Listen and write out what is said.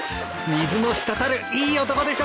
水も滴るいい男でしょ？